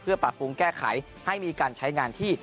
เพื่อปรับภูมิแก้ไขให้มีการใช้งานที่